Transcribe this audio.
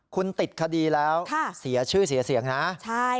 คุณติดคดีแล้วเสียชื่อเสียเสียงนะใช่